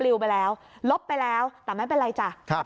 ไปแล้วลบไปแล้วแต่ไม่เป็นไรจ้ะ